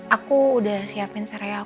aku udah siapin sereal